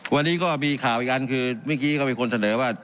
วันนี้ก็มีข่าวอีกอันคือเมื่อกี้ก็มีคนเสนอว่า